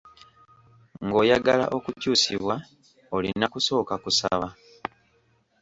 Ng'oyagala okukyusibwa, olina kusooka kusaba.